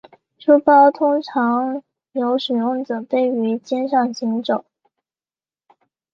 书包通常由使用者背于肩上行走。